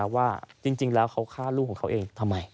ว่าจริงแล้วเขาฆ่าลูกของเขาเองทำไม